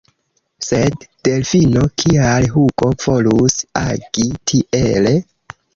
Sed, Delfino, kial Hugo volus agi tiele?